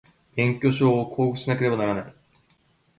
免許証を交付しなければならない